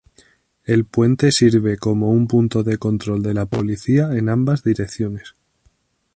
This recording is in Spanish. El puente sirve como un punto de control de la policía en ambas direcciones.